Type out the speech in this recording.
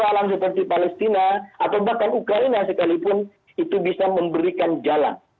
masalah alam seperti palestina atau bahkan ukraina sekalipun itu bisa memberikan jalan